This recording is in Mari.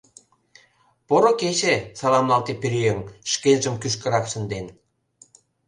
— Поро кече, — саламлалте Пӧръеҥ, шкенжым кӱшкырак шынден.